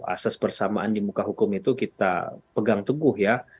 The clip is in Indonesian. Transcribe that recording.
asas persamaan di muka hukum itu kita pegang teguh ya